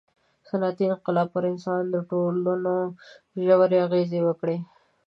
• صنعتي انقلاب پر انساني ټولنو ژورې اغېزې وکړې.